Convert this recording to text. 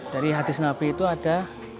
dari hadis nabi itu ada